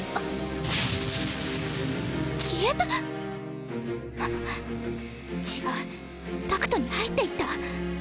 消えた⁉違うダクトに入っていった？